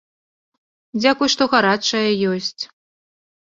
Дзякуй, што гарачая ёсць.